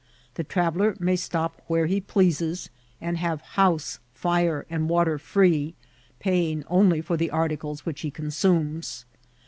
The traveller may stop where he pleases, and have house, fire, and water firee, paying only for the articles which he consumes.